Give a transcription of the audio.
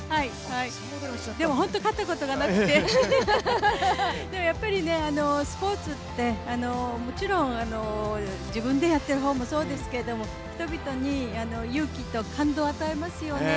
でも本当に勝ったことがなくて、やっぱりスポーツってもちろん自分でやっている方もそうですけど、人々に勇気と感動を与えますよね。